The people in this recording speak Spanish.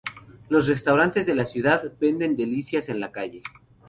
Los restaurantes de la ciudad venden delicias en la calle.